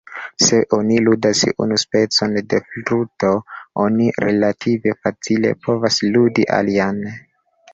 Se oni ludas unu specon de fluto, oni relative facile povas ludi alian.